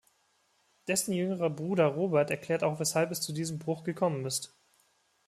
Dessen jüngerer Bruder Robert erklärt auch weshalb es zu diesem Bruch gekommen ist.